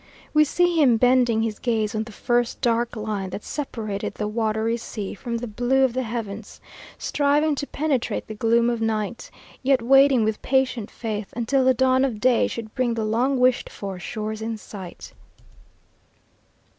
We see him bending his gaze on the first dark line that separated the watery sea from the blue of the heavens, striving to penetrate the gloom of night, yet waiting with patient faith until the dawn of day should bring the long wished for shores in sight.